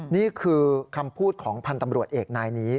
นี่คือคำพูดของพันธ์ตำรวจเอกนายนี้